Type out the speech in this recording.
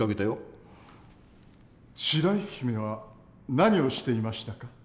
白雪姫は何をしていましたか？